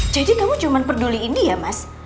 jadi kamu cuma peduliin dia mas